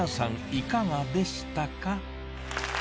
いかがでしたか？